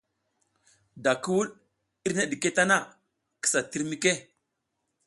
Da ki wuɗ irne ɗike tana, kisa tir mike.